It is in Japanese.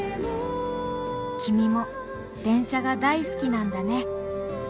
「君も電車が大好きなんだね！」